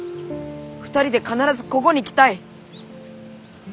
２人で必ずここに来たい！